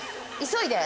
急いで。